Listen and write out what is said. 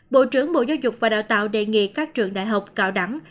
bộ trưởng bộ giáo dục và đào tạo đề nghị các trường đại học cao đẳng